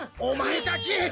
おまえたち。